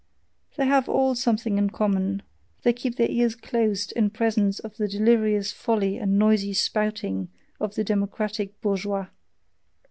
They have all something in common: they keep their ears closed in presence of the delirious folly and noisy spouting of the democratic BOURGEOIS.